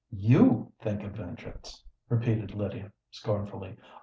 "You think of vengeance!" repeated Lydia, scornfully.